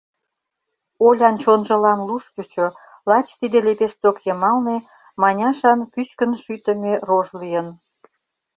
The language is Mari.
Олян чонжылан луш чучо: лач тиде лепесток йымалне Маняшан пӱчкын шӱтымӧ рож лийын.